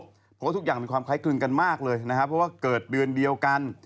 เพราะว่าทุกอย่างมีความคล้ายคลึงกันมากเลยนะครับเพราะว่าเกิดเดือนเดียวกัน